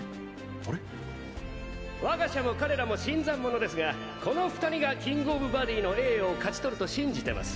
あれっ？我が社も彼らも新参者ですがこの２人がキング・オブ・バディの栄誉を勝ち取ると信じてます。